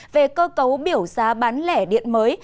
về cơ cấu biểu giá bán lẻ điện mới